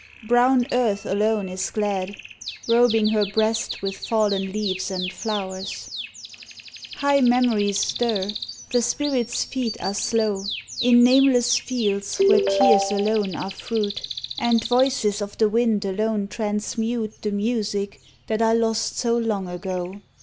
Brown Earth alone is glad, Robing her breast with fallen leaves and flow rs. 40 IN AUTUMN High memories stir; the spirit s feet are slow, In nameless fields where tears alone are fruit. And voices of the wind alone transmute The music that I lost so long ago.